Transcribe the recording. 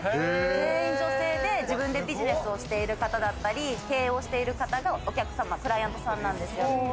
全員女性で、自分でビジネスをしている方だったり、経営をしている方がお客様、クライアントさんなんですよ。